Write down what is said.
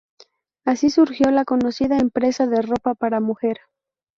Así surgió la conocida empresa de ropa para mujer.